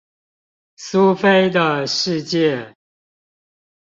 蘇菲的世界